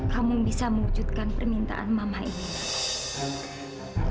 kamu bisa mewujudkan permintaan mama ini